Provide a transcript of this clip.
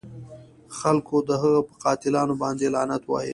خلکو د هغه په قاتلانو باندې لعنت وایه.